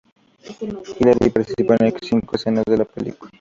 Hillary participó en cinco escenas de la película.